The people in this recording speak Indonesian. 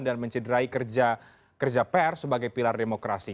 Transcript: dan mencederai kerja pr sebagai pilar demokrasi